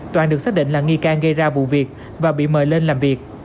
toàn được xác định là nghi can gây ra vụ việc và bị mời lên làm việc